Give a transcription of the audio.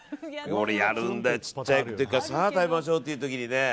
俺やるんだよちっちゃい時からさあ食べましょうっていう時に。